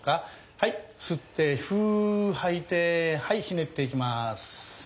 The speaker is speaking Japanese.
はい吸ってフー吐いてはいひねっていきます。